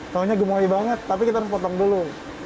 tahunya gemulai banget tapi kita harus potong dulu